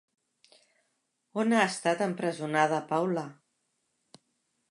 On ha estat empresonada Paula?